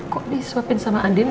kok disuapin sama andi